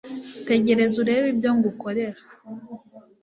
tegereza urebe ibyo ngukorera